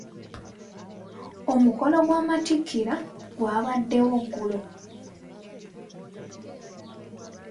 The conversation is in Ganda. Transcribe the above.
Omukolo gw'amatikkira gwabaddwo eggulo.